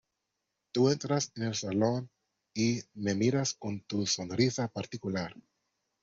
Tú entras en el salón y me miras con tu sonrisa particular.